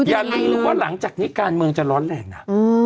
อย่าลืมว่าหลังจากนี้การเมืองจะร้อนแรงนะ